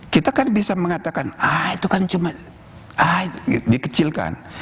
kita kan bisa mengatakan ah itu kan cuma dikecilkan